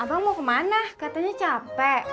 abang mau kemana katanya capek